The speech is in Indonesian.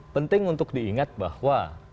penting untuk diingat bahwa